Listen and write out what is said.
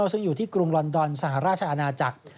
ซึ่งอยู่ที่กรุงลอนดอนสหราชอาณาจักร